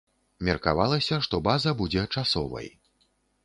Меркавалася, што база будзе часовай.